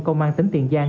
công an tỉnh tiền giang